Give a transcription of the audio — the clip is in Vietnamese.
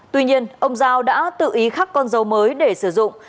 tuy nhiên ông giao đã tự ý khắc con dấu mới để sử dụng